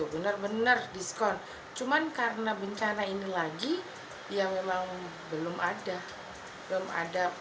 benar benar diskon cuman karena bencana ini lagi yang memang belum ada